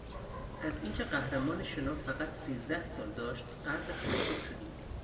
از این که قهرمان شنا فقط سیزده سال داشت غرق تعجب شدیم.